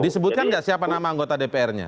disebutkan nggak siapa nama anggota dprnya